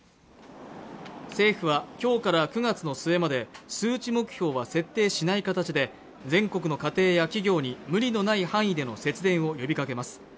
政府はきょうから９月の末まで数値目標は設定しない形で全国の家庭や企業に無理のない範囲での節電を呼びかけます